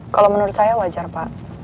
kalau menurut saya wajar pak